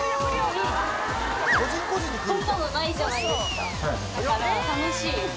こんなのないじゃないですかだから。